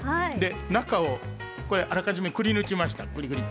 中をあらかじめくり抜きました。